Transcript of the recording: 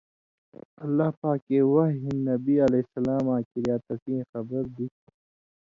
اللہ پاکے وحی ہِن نبی علیہ السلاماں کِریا تسیں خبر دِتیۡ۔